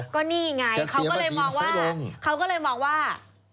ก็นี่ไงเขาก็เลยมองว่าอยากให้คนไทยสุขภาพดีจริงหรือเปล่า